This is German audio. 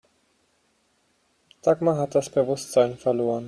Dagmar hat das Bewusstsein verloren.